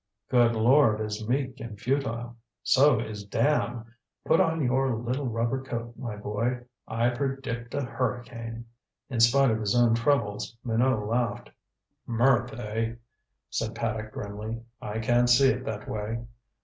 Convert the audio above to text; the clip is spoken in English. "Good lord is meek and futile. So is damn. Put on your little rubber coat, my boy. I predict a hurricane." In spite of his own troubles, Minot laughed. "Mirth, eh?" said Paddock grimly. "I can't see it that way.